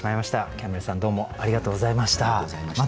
キャンベルさんどうもありがとうございました。